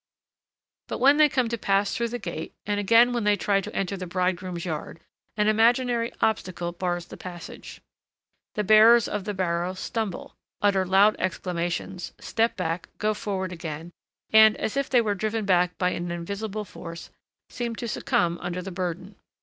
But when they come to pass through the gate, and again when they try to enter the bridegroom's yard, an imaginary obstacle bars the passage. The bearers of the barrow stumble, utter loud exclamations, step back, go forward again, and, as if they were driven back by an invisible force, seem to succumb under the burden.